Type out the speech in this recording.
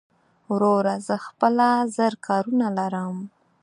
وروره زه خپله زر کارونه لرم